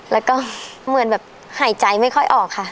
แล้วก็เหมือนแบบหายใจไม่ค่อยออกค่ะ